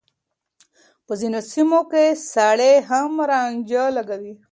په ځينو سيمو کې سړي هم رانجه لګوي.